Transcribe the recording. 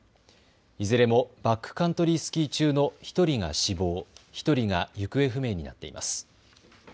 いずれもバックカントリースキー中の１人が死亡、１人が行方不明になっています。